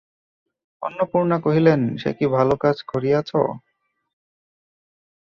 অন্নপূর্ণা কহিলেন, সে কি ভালো কাজ করিয়াছ?